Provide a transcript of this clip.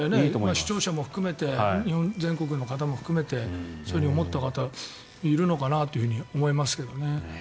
視聴者も含めて日本全国の方も含めてそういうふうに思った方いるのかなと思いますけどね。